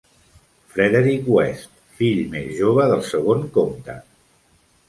Frederick West, fill més jove del segon comte.